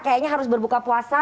kayaknya harus berbuka puasa